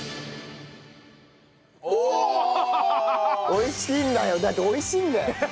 美味しいんだよだって美味しいんだよ！